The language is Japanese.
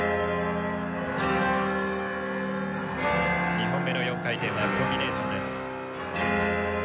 ２本目の４回転はコンビネーションです。